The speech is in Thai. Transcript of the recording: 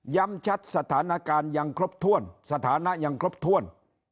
ชัดสถานการณ์ยังครบถ้วนสถานะยังครบถ้วน